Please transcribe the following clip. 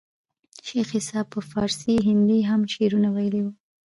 شېخ عیسي په پاړسي هندي هم شعرونه ویلي وو.